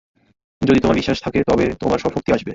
যদি তোমার বিশ্বাস থাকে, তবে তোমার সব শক্তি আসবে।